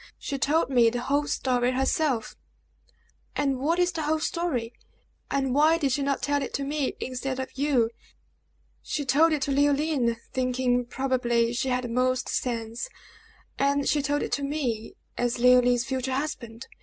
She told me the whole story herself!" "And what is the whole story; and why did she not tell it to me instead of you." "She told it to Leoline, thinking, probably, she had the most sense; and she told it to me, as Leoline's future husband.